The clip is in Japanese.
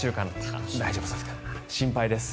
心配です。